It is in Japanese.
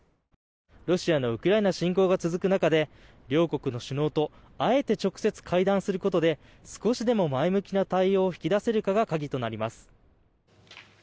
ロシアのウクライナ侵攻が続く中で両国の首脳とあえて直接会談することで少しでも前向きな対応を引き出せるかが鍵となります。